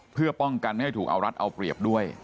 เพื่อป้องกันไม่ให้ถูกเอารัฐเอาเปรียบด้วย